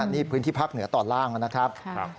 นี่พื้นที่ภาคเหนือตอนล่างนะครับ